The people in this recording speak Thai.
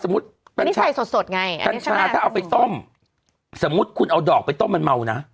อันนี้ใส่สดสดไงกัญชาถ้าเอาไปต้มสมมุติคุณเอาดอกไปต้มมันเมานะ